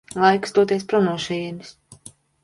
Laiks doties prom no šejienes.